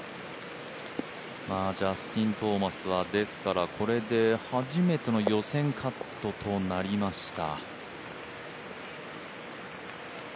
ジャスティン・トーマスはですからこれで初めての予選カットとなりました。